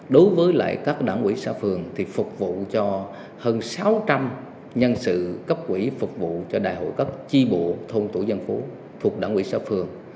đối với lại các đảng ủy xã phường thì phục vụ cho hơn sáu trăm linh nhân sự cấp quỹ phục vụ cho đại hội cấp chi bộ thôn tủ dân phố thuộc đảng ủy xã phường